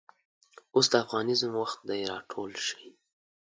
اوس دافغانیزم وخت دی راټول شئ